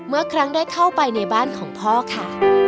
เมื่อครั้งได้เข้าไปในบ้านของพ่อค่ะ